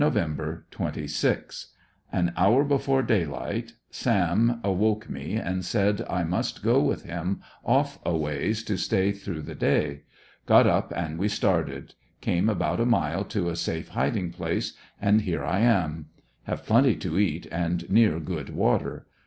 26. — An hour before daylight "Sam" awoke me and said I must go with him off a ways to stay through the day. Got up, and •we started. Came about a mile to a safe hiding place, and here I am. Have plenty to eat and near good water.